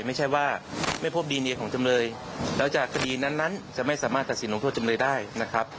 ไม่ใช่ว่าไม่พบดีเนียของจำเลยแล้วจากคดีนั้นนั้นจะไม่สามารถตัดสินลงโทษจำเลยได้นะครับ